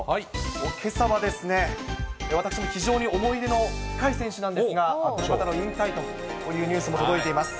けさは私も非常に思い出の深い選手なんですが、引退というニュースも届いています。